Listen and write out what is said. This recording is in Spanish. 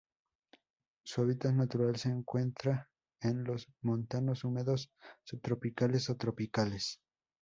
Su hábitat natural se encuentra en los montanos húmedos subtropicales o tropicales.